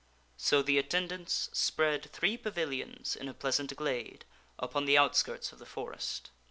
So the attendants spread three pavilions in a pleasant glade upon the outskirts of the forest.